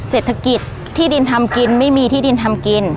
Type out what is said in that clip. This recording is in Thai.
เศรษฐกิจที่ดินทำกินไม่มีที่ดินทำกิน